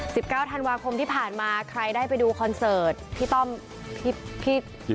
สิบเก้าธันวาคมที่ผ่านมาใครได้ไปดูคอนเสิร์ตพี่ต้อมพี่พี่